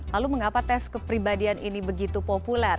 lalu mengapa tes kepribadian ini begitu populer